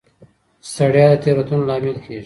ستړیا د تېروتنو لامل کېږي.